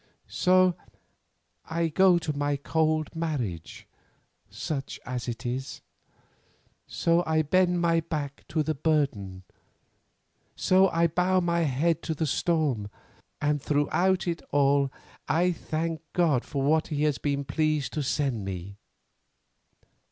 So I go to my cold marriage, such as it is; so I bend my back to the burden, so I bow my head to the storm; and throughout it all I thank God for what he has been pleased to send me.